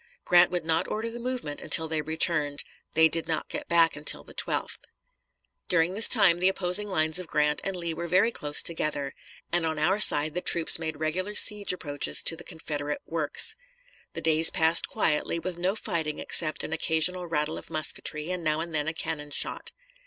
Grant would not order the movement until they returned. They did not get back until the 12th. During this time the opposing lines of Grant and Lee were very close together, and on our side the troops made regular siege approaches to the Confederate works. The days passed quietly, with no fighting except an occasional rattle of musketry and now and then a cannon shot.